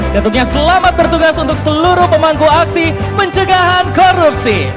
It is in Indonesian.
dan tentunya selamat bertugas untuk seluruh pemangku aksi pencegahan korupsi